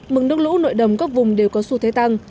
mực nước lũ nội đồng các vùng đều có xu thế tăng